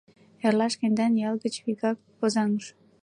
— Эрла шкендан ял гыч вигак Озаҥыш.